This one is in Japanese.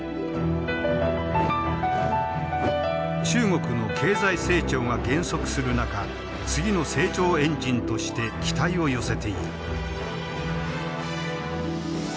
中国の経済成長が減速する中次の成長エンジンとして期待を寄せている。